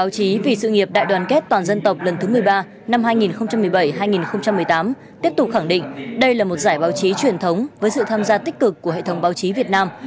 tiếp tục khẳng định đây là một giải báo chí truyền thống với sự tham gia tích cực của hệ thống báo chí việt nam